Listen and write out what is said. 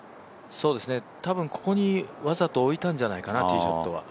そうですね、多分ここにわざと置いたんじゃないかな、ティーショットは。